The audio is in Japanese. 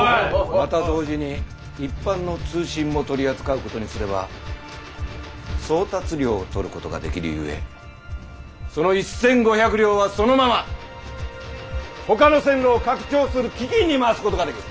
また同時に一般の通信も取り扱うことにすれば送達料を取ることができるゆえその１千５００両はそのままほかの線路を拡張する基金に回すことができる。